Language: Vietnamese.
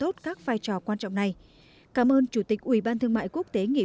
rất may không có thiệt hại về người